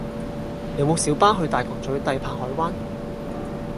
有無小巴去大角嘴帝柏海灣